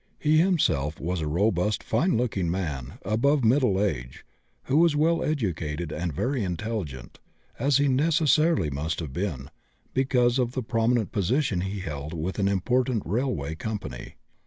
He himself was a robust, fine looking man, above middle age, who was well educated and very intelligent, as he necessarily must have been, because of the prominent position he held with an important railway company.